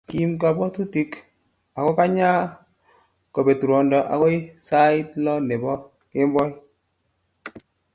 Kiim kabwatutik akokanya kobet ruondo agoi sait lo nebo kemboi